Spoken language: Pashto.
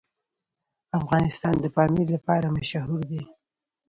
افغانستان د پامیر لپاره مشهور دی.